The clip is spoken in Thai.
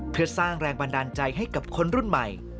เพื่อสร้างแรงบันดาลใจให้กับคนรุ่นใหม่